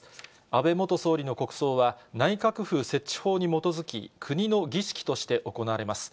安倍元総理の国葬は、内閣府設置法に基づき、国の儀式として行われます。